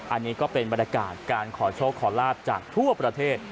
อันนี้ก็เป็นบรรยากาศการขอโชคขอลาบจากทั่วประเทศ